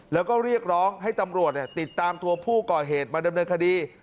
แล้วก็เรียกร้องให้ตำรวจติดตามตัวผู้ก่อเหตุมาดำเนินคดี